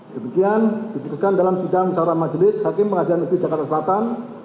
demikian diputuskan dalam sidang secara majelis hakim pengadilan negeri jakarta selatan